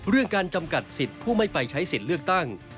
เรื่องการจำกัดสิทธิ์ผู้ไม่ไปใช้สิทธิ์เลือกตั้ง